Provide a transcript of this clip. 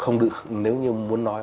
nếu như muốn nói